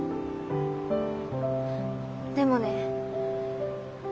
でもね